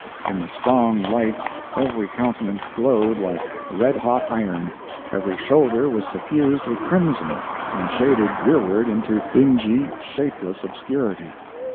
In the strong light every countenance glowed like red hot iron, every shoulder was suffused with crimson and shaded rearward into dingy, shapeless obscurity!